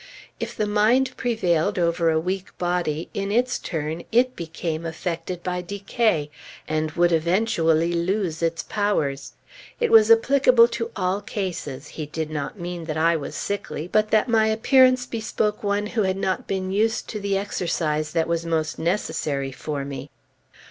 If the mind prevailed over the weak body, in its turn it became affected by decay, and would eventually lose its powers. It was applicable to all cases; he did not mean that I was sickly, but that my appearance bespoke one who had not been used to the exercise that was most necessary for me.